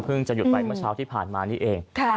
จะหยุดไปเมื่อเช้าที่ผ่านมานี่เอง